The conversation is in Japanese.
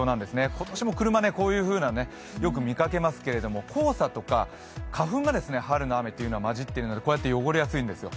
今年も車、こういうふうなよく見かけますけども黄砂とか花粉が春の雨というのは混じっているので、こうやって汚れやすいんですよ。